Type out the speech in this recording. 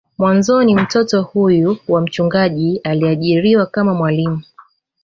Mwanzoni mtoto huyo wa mchungaji aliajiriwa kama mwalimu